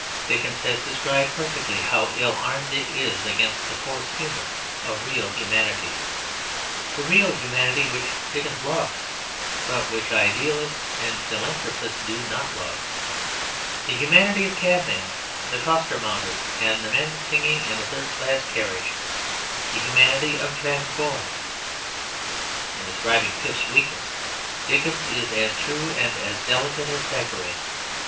Dickens has described perfectly how ill armed it is against the coarse humour of real humanity the real humanity which Dickens loved, but which idealists and philanthropists do not love, the humanity of cabmen and costermongers and men singing in a third class carriage; the humanity of Trabb's boy. In describing Pip's weakness Dickens is as true and as delicate as Thackeray.